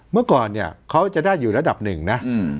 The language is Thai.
เมื่อก่อนเนี่ยเขาจะได้อยู่ระดับหนึ่งนะ